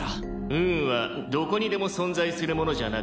「運はどこにでも存在するものじゃなく」